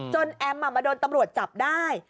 แอมมาโดนตำรวจจับได้